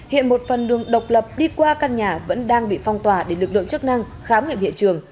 hiện một phần đường độc lập đi qua căn nhà vẫn đang bị phong tỏa để lực lượng chức năng khám nghiệm hiện trường